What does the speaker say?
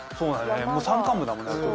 山間部だもんね。